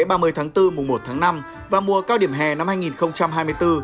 ba mươi tháng bốn mùa một tháng năm và mùa cao điểm hè năm hai nghìn hai mươi bốn